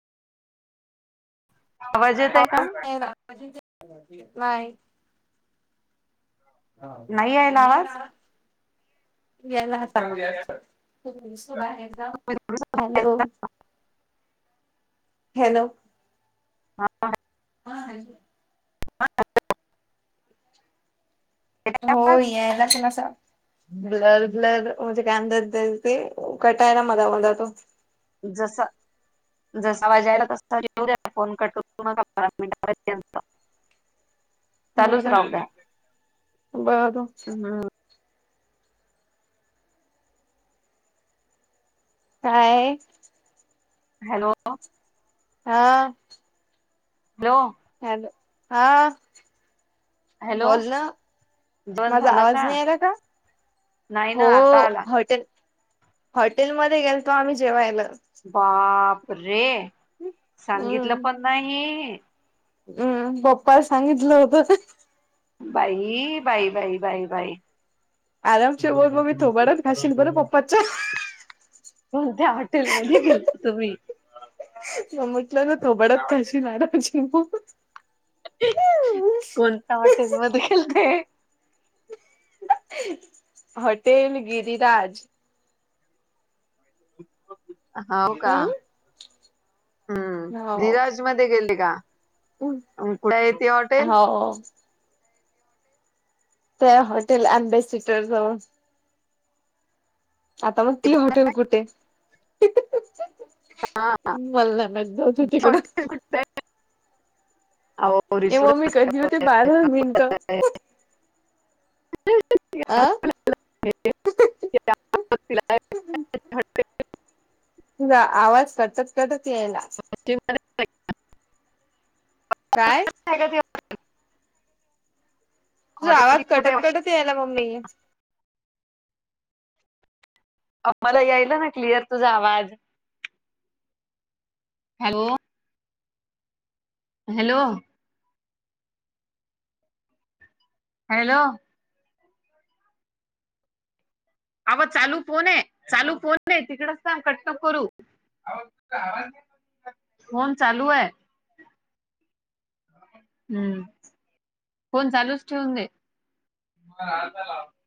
आवाज येत आहे का? नाही. नाही यायला आवाज यायला चांगली अस आहे. Hello hello. हां ह ह. हा. हो आवाज यायला पण असं. ब्लर ब्लर म्हजे काय अ दर द ते कटायला मजा आता तो जसं. जसा वाजायला त असता येऊ द्या फोन कट न मिनटपर्यंत होर द्या. बाद हा काय हॅलो. हा. हॅलो. हल हा. हॅलो बोल ना जेवण माझा झालं आवाज नाही आहेला का नाही ना आता आला हॉटेलमध्येध्ये गेलतो आम्ही जेवायला बाप रे सांगितलं हम्म पण नाही हम्म पप्पाला सांगितलं होत बाई बाई बाई बाय बाई आरामचे बोल म मी तथोबाडत घाशील बरं पप्पाच्या तुमच्या हॉटेलमध्येध्ये गेल तुम्ही म्हटलं ना तोबडत कशी मडा चिंकू कोणत्या हॉटेल मध्ये खेलतेय हॉटेल गिरीराज हो का हम्म हम्म हो. धराज गेली का कुठे येत हॉटेल हो ते हॉटेल अम्बेसिटर [unintelligible] जवळ आता मग ती हॉटेल कुठे मला नाही माहित जाऊदे तिकडं हॉटेल कुठे ए मम्मी कधी [unintelligible] होते [inaudible] आं [unintelligible] [inaudible] आवाज कट कट [unintelligible] येयला ति [unintelligible] [inaudible] काय ॉटे कुठे [unintelligible] [inaudible] ला मममी मला यायला ना क्लिअर तुझा आवाज हॅलो हॅलो हॅलो अवा चालू फोन आहे चालू फोन नाही तिकडेच कट् नको करू फोन चालू आहे हम्म फोण चालूच ठेवून दे हा आ [unintelligible] [inaudible]